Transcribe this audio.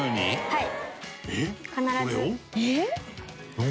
はい。